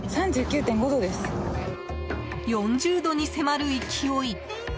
４０度に迫る勢い。